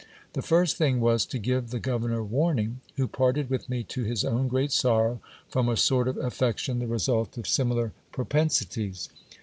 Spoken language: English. The first thing was to give the governor warning, who parted with me to his own great sorrow, from a sort of affection the result of similar propensities.